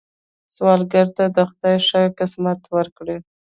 سوالګر ته خدای ښه قسمت ورکړي